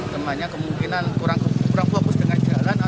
temannya kemungkinan kurang fokus dengan jalan